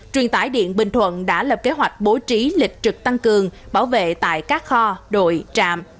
truyền tải điện bình thuận đã lập kế hoạch bố trí lịch trực tăng cường bảo vệ tại các kho đội trạm